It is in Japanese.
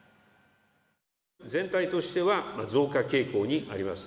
全体としては増加傾向にあります。